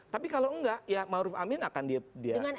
tapi kalau enggak ya ma'ruf amin akan dia maintain